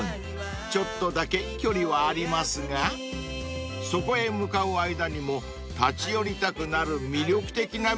［ちょっとだけ距離はありますがそこへ向かう間にも立ち寄りたくなる魅力的な店がいっぱい］